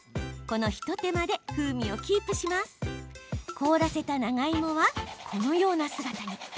凍らせた長いもはこのような姿に。